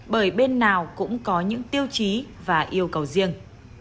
bởi bên nào cũng có những tiêu chí và yêu cầu riêng